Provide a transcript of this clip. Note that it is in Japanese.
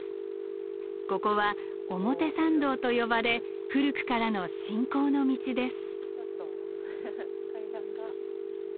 ここは表参道と呼ばれ古くからの信仰の道です。